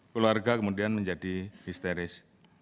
keluarga kemudian menjadi histeris